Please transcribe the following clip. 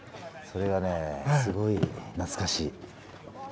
それがねえすごい懐かしい。